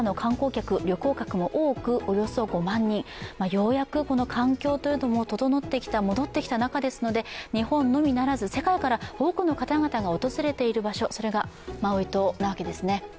ようやく環境というのも戻ってきた、整ってきた中ですので日本のみならず世界から多くの方々が訪れている場所、それがマウイ島なわけですね。